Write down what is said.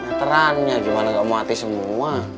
naterannya gimana gak mati semua